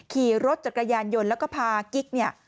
ขี่รถจักรยานยนต์แล้วก็พากิ๊กเนี่ย